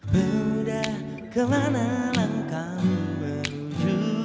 pada kemana langkahmu menuju